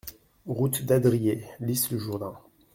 Route d'Adriers, L'Isle-Jourdain